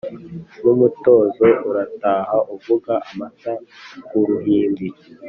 N'umutozo urataha uvuga amata ku ruhimbi